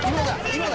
今だ！